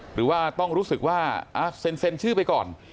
หรือว่าต้องรู้สึกว่าเซ็นชื่อไปก่อน